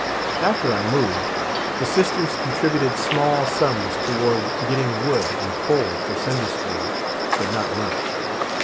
After I moved, the sisters contributed small sums toward getting wood and coal for Sunday school, but not much.